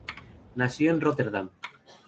Nació en Róterdam.